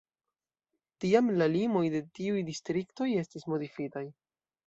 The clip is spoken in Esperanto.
Tiam la limoj de tiuj distriktoj estis modifitaj.